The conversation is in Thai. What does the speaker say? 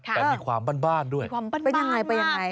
แต่มีความบ้านบ้านด้วยมีความบ้านบ้านมากเป็นยังไงเป็นยังไง